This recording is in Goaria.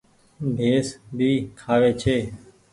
ڀيس ڀي کآوي ڇي۔